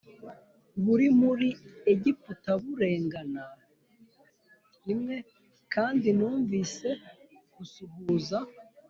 Buri muri egiputa burengana l kandi numvise gusuhuza